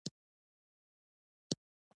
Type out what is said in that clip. د مالټې جوس د تندې ماته کولو لپاره غوره دی.